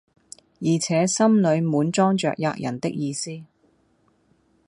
而且心裏滿裝着喫人的意思。